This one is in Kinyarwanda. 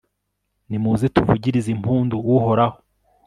nimuze, tuvugirize impundu uhoraho